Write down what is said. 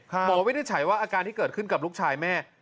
หมอวินิจฉัยว่าอาการที่เกิดขึ้นกับลูกชายแม่